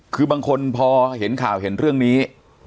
คือบางคนพอเห็นข่าวเห็นเรื่องนี้